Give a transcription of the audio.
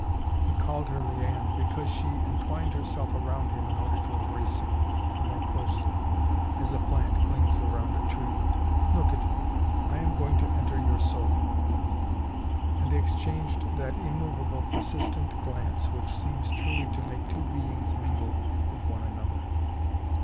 He called her Liane because she entwined herself around him in order to embrace him the more closely, as a plant clings around a tree. "Look at me. I am going to enter your soul." And they exchanged that immovable, persistent glance, which seems truly to make two beings mingle with one another!